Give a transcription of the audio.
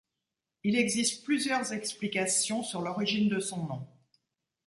Il existe plusieurs explications sur l'origine de son nom.